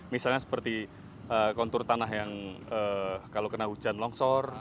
misalnya seperti kontur tanah yang kalau kena hujan longsor